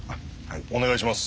お願いします。